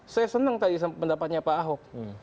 saya senang tadi pendapatnya pak ahok